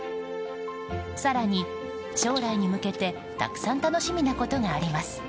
更に、将来に向けてたくさん楽しみなことがあります。